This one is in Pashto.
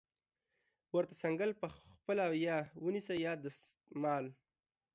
ورته څنګل خپله یا ونیسئ دستمال